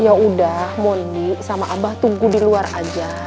yaudah mondi sama abah tunggu di luar aja